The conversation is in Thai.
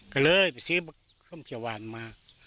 ก็เลยไปซื้อส้มเขียวหวานมา